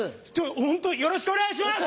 ホントよろしくお願いします！